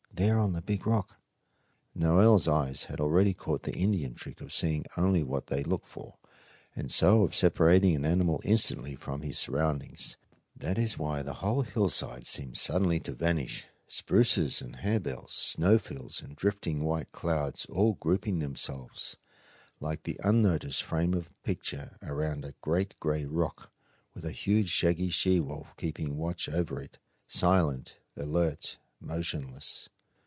there on the big rock!" Noel's eyes had already caught the Indian trick of seeing only what they look for, and so of separating an animal instantly from his surroundings, however well he hides. That is why the whole hillside seemed suddenly to vanish, spruces and harebells, snow fields and drifting white clouds all grouping themselves, like the unnoticed frame of a picture, around a great gray rock with a huge shaggy she wolf keeping watch over it, silent, alert, motionless.